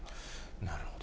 なるほど。